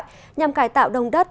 nhằm cải tạo đông đất